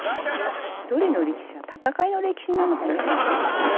ドリの歴史は戦いの歴史なのかもしれないですね。